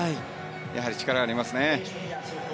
やはり、力がありますね。